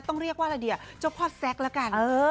ต้องเรียกว่าอะไรดีเจ้าพ่อแซ็กแล้วกัน